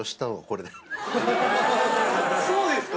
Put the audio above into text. そうですか！